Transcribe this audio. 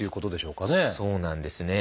そうなんですね。